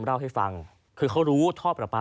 ราวให้ฟังเขารู้ว่าท่อประปา